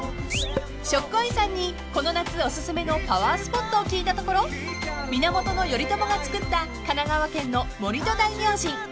［ＳＨＯＣＫＥＹＥさんにこの夏おすすめのパワースポットを聞いたところ源頼朝がつくった神奈川県の森戸大明神